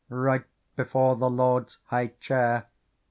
Right before the Lord's high chair.